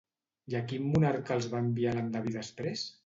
I a quin monarca els va enviar l'endeví després?